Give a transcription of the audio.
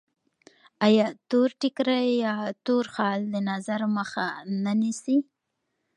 آیا تور ټیکری یا تور خال د نظر مخه نه نیسي؟